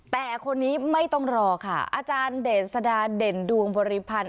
แต่คนนี้ไม่ต้องรอค่ะอาจารย์เดสดาเด่นดวงบริพันธ์